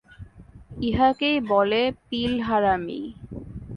ইহাকেই বলে পিল-হারামি।